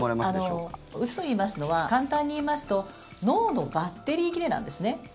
うつといいますのは簡単に言いますと脳のバッテリー切れなんですね。